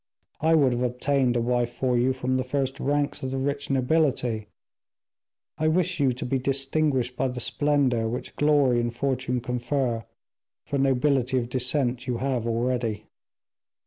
I would have obtained a wife for you from the first ranks of the rich nobility. I wish you to be distinguished by the splendor which glory and fortune confer, for nobility of descent you have already."